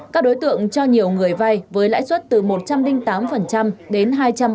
các đối tượng cho nhiều người vay với lãi suất từ một trăm linh tám đến hai trăm năm mươi